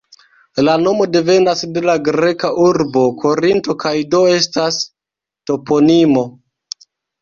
La nomo devenas de la greka urbo Korinto kaj do estas toponimo.